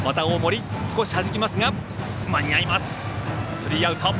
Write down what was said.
スリーアウト。